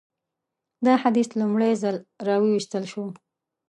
دا حدیث لومړی ځل راوایستل شو.